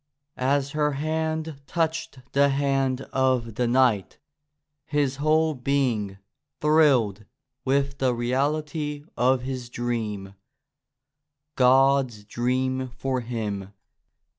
As her hand touched the hand of the knight his whole being thrilled with the reality of his dream — God's dream for him.